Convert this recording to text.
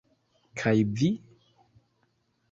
Kaj vi..?